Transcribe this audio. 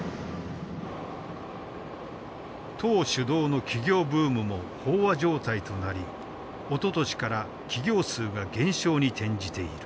党主導の起業ブームも飽和状態となりおととしから企業数が減少に転じている。